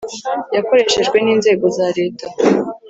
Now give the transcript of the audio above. yakoreshejwe n inzego za Leta